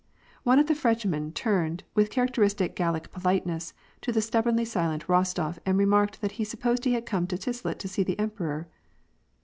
One of the Frenchmen turned, with characteristic Gallic politeness, to the stubbornly silent Rostof, and remarked that he supposed he had come to Tilsit to see the emperor.